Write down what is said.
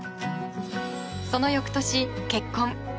その翌年、結婚。